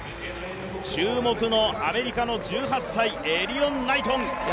注目のアメリカの１８歳、エリヨン・ナイトン。